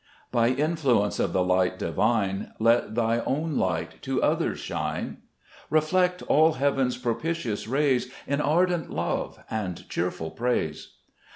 3 By influence of the light Divine Let thy own light to others shine ; Reflect all heaven's propitious rays In ardent love and cheerful praise.